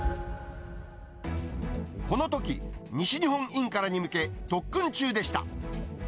このとき、西日本インカレに向け特訓中でした。